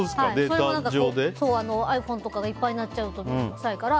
ｉＰｈｏｎｅとかいっぱいになっちゃうと面倒くさいから